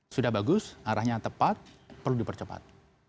sudah bagus arahnya tepat perlu dipercepat